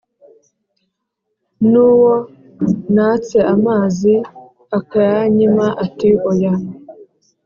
nuwo natse amazi akayanyima ati oya